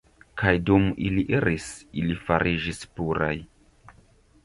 Kaj dum ili iris, ili fariĝis puraj.